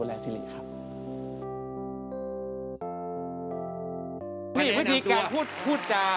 ฟงเหมือนพี่ไหมที่แบบว่า